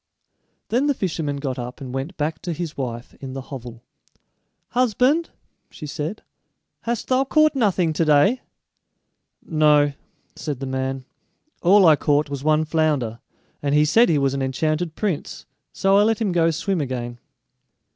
Then the fisherman got up and went back to his wife in the hovel. "Husband," she said, "hast thou caught nothing to day?" "No," said the man; "all I caught was one flounder, and he said he was an enchanted prince, so I let him go swim again."